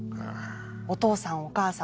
「お父さんお母さん」